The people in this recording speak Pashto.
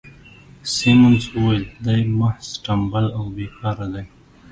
سیمونز وویل: دی محض ټمبل او بې کاره دی.